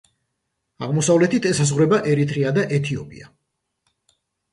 აღმოსავლეთით ესაზღვრება ერიტრეა და ეთიოპია.